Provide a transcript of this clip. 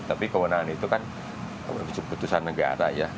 tapi kewenangan itu kan keputusan negara ya